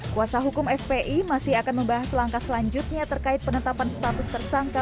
kuasa hukum fpi masih akan membahas langkah selanjutnya terkait penetapan status tersangka